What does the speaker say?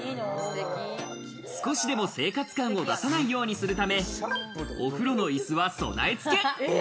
少しでも生活感を出さないようにするため、お風呂の椅子は備え付け。